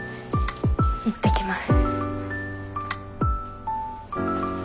いってきます。